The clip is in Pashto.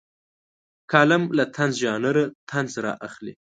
کالم له طنز ژانره طنز رااخلي.